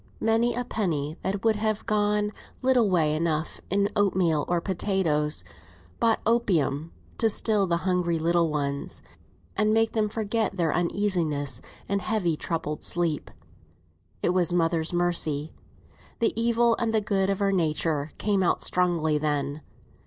Many a penny that would have gone little way enough in oatmeal or potatoes, bought opium to still the hungry little ones, and make them forget their uneasiness in heavy troubled sleep. It was mother's mercy. The evil and the good of our nature came out strongly then.